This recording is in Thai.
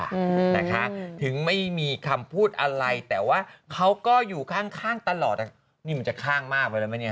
อืมนะคะถึงไม่มีคำพูดอะไรแต่ว่าเขาก็อยู่ข้างข้างตลอดอ่ะนี่มันจะข้างมากไปแล้วไหมเนี่ย